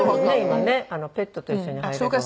今ねペットと一緒に入れるのが。